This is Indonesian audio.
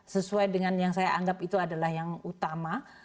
sesuai dengan yang saya anggap itu adalah yang utama